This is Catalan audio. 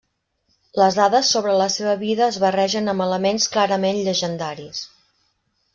Les dades sobre la seva vida es barregen amb elements clarament llegendaris.